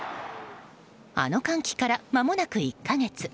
あの歓喜から、まもなく１か月。